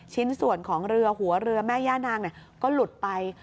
ชิ้นส่วนของเรือหัวเรือแม่ย่านางก็หลุดไป